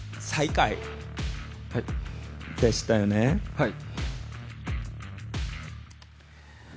はい。